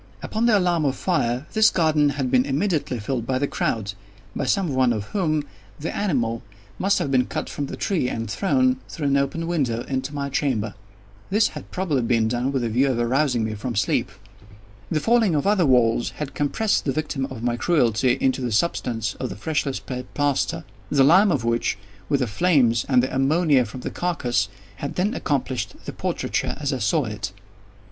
Upon the alarm of fire, this garden had been immediately filled by the crowd—by some one of whom the animal must have been cut from the tree and thrown, through an open window, into my chamber. This had probably been done with the view of arousing me from sleep. The falling of other walls had compressed the victim of my cruelty into the substance of the freshly spread plaster; the lime of which, with the flames, and the ammonia from the carcass, had then accomplished the portraiture as I saw it.